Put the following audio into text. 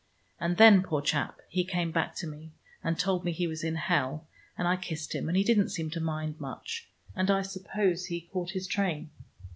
And then, poor chap, he came back to me, and told me he was in hell, and I kissed him, and he didn't seem to mind much, and I suppose he caught his train.